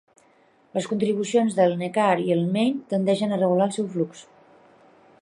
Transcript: Les contribucions del Neckar i el Main tendeixen a regular el seu flux.